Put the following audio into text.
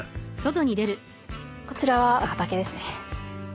こちらは畑ですね。